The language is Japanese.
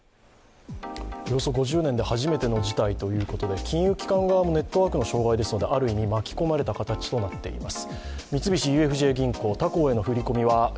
およそ５０年で初めての事態ということで金融機関側もネットワークの問題なのである意味、巻き込まれた形となっています。